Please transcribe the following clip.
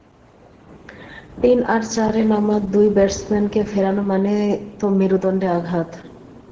তিন আর চারে নামা দুই ব্যাটসম্যানকে ফেরানো মানে তো মেরুদণ্ডে আঘাত।